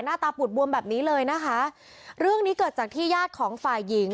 ตาปูดบวมแบบนี้เลยนะคะเรื่องนี้เกิดจากที่ญาติของฝ่ายหญิง